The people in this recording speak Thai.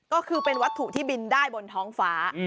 ก็คือเป็นวัตถุที่บินได้บนท้องฟ้า